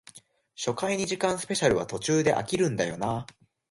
初回二時間スペシャルは途中で飽きるんだよなあ